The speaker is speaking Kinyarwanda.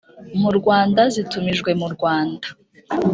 mu rwanda zitumijwe mu rwanda